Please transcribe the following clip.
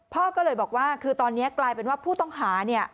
พ่อก็เลยบอกว่าคือตอนนี้กลายเป็นว่าผู้ต้องหาเนี่ย